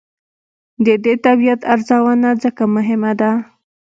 د دې طبیعت ارزونه ځکه مهمه ده.